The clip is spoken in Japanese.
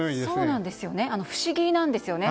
不思議なんですよね。